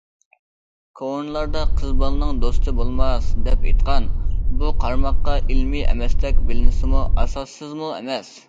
كونىلار قىز بالىنىڭ دوستى بولماس دەپ ئېيتقان، بۇ قارىماققا ئىلمىي ئەمەستەك بىلىنسىمۇ، ئاساسسىزمۇ ئەمەس.